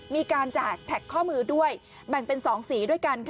มีการแจกแท็กข้อมือด้วยแบ่งเป็น๒สีด้วยกัน